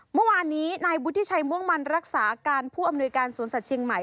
เมื่อวานนี้นายวุฒิชัยม่วงมันรักษาการผู้อำนวยการสวนสัตวเชียงใหม่